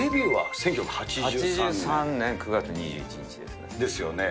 １９８３年９月１７日ですね。ですよね。